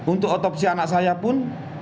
untuk otopsi anak saya pun